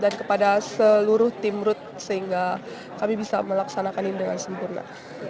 dan kepada seluruh tim ruth sehingga kami bisa melaksanakan ini dengan sempurna